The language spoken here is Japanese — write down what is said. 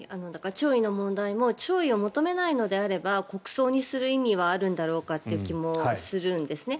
弔意の問題も弔意を求めないのであれば国葬にする意味はあるんだろうかという気もするんですね。